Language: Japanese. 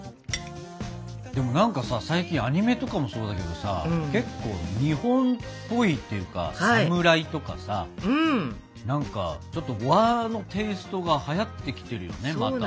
でも何かさ最近アニメとかもそうだけどさ結構日本っぽいっていうかサムライとかさ何かちょっと和のテーストがはやってきてるよねまた。